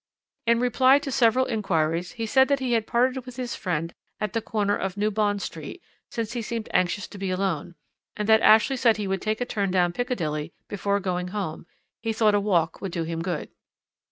In reply to several inquiries, he said that he had parted with his friend at the corner of New Bond Street, since he seemed anxious to be alone, and that Ashley said he would take a turn down Piccadilly before going home he thought a walk would do him good.